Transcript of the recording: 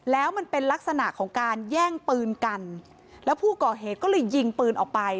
แล้วมันเป็นลักษณะของการแย่งปืนกันแล้วผู้ก่อเหตุก็เลยยิงปืนออกไป